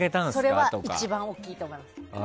それは一番大きいと思います。